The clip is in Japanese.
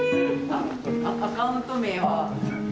あアカウント名は？